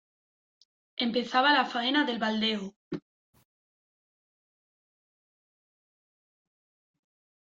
empezaba la faena del baldeo.